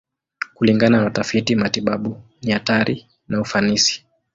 Kulingana na watafiti matibabu, ni hatari na ufanisi.